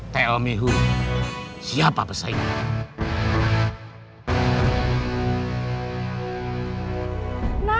tell me who siapa pesaingnya